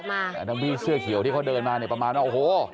แต่ทั้งพี่เสื้อเขียวที่เขาเดินมาเนี่ยประมาณว่าโอ้โห